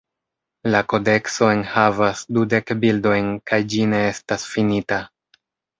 La kodekso enhavas dudek bildojn kaj ĝi ne estas finita.